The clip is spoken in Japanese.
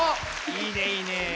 いいねいいね。